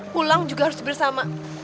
pulang juga harus bersama